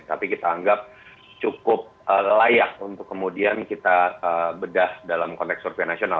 tapi kita anggap cukup layak untuk kemudian kita bedah dalam konteks survei nasional